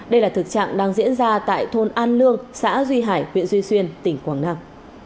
đây là thực trạng đang diễn ra tại thôn an lương xã duy hải huyện duy xuyên tỉnh quảng nam